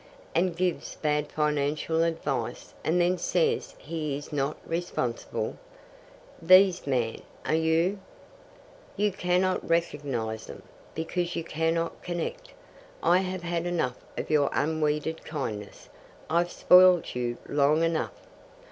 And gives bad financial advice, and then says he is not responsible. These, man, are you. You can't recognize them, because you cannot connect. I've had enough of your unweeded kindness. I've spoilt you long enough.